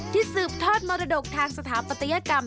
สืบทอดมรดกทางสถาปัตยกรรม